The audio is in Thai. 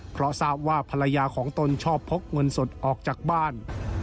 เพราะทราบว่าภรรยาของตนชอบพกเงินสดออกจากบ้าน